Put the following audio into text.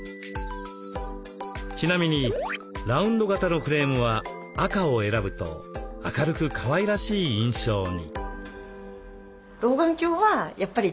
ちなみにラウンド型のフレームは赤を選ぶと明るくかわいらしい印象に。